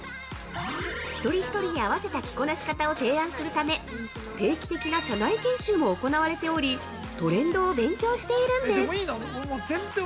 一人一人に合わせた着こなし方を提案するため、定期的な社内研修も行われておりトレンドを勉強しているんです。